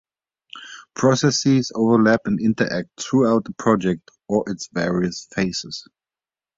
Processes overlap and interact throughout a project or its various phases.